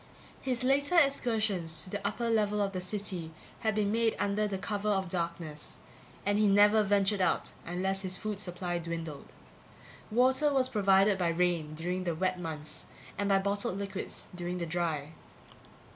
His later excursions to the upper level of the city had been made under cover of darkness and he never ventured out unless his food supply dwindled. Water was provided by rain during the wet months and by bottled liquids during the dry.